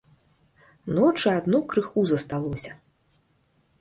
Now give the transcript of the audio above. Ночы адно крыху засталося.